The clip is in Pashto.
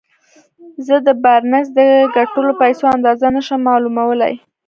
زه د بارنس د ګټلو پيسو اندازه نه شم معلومولای.